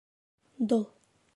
Дол!